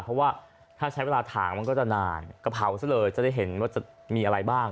เพราะว่าถ้าใช้เวลาถ่างมันก็จะนานก็เผาซะเลยจะได้เห็นว่าจะมีอะไรบ้าง